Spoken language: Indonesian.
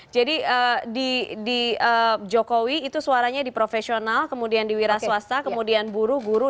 jadi di jokowi itu suaranya di profesional kemudian di wiras swasta kemudian buruh buru